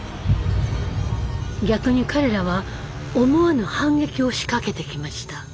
逆に彼らは思わぬ反撃を仕掛けてきました。